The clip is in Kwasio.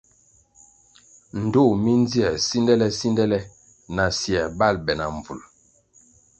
Ndtoh mi ndzier sindele-sindele asier bal be na mbvul.